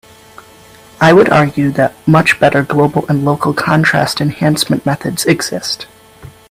I would argue that much better global and local contrast enhancement methods exist.